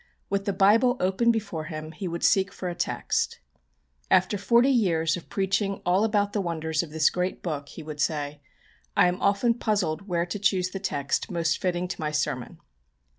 With the Bible open before him he would seek for a text. "After forty years of preaching about all the wonders of this great Book," he would say, "I am often puzzled where to choose the text most fitting to my sermon."